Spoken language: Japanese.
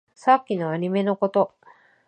さっきのアニメのこと